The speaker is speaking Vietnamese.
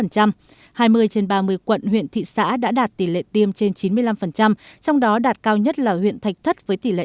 hai mươi trên ba mươi quận huyện thị xã đã đạt tỷ lệ tiêm trên chín mươi năm trong đó đạt cao nhất là huyện thạch thất với tỷ lệ chín